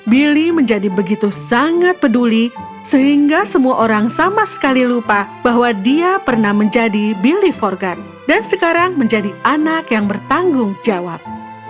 billy menjadi begitu sangat peduli sehingga semua orang sama sekali lupa bahwa dia pernah menjadi billy forgard dan sekarang menjadi anak yang bertanggung jawab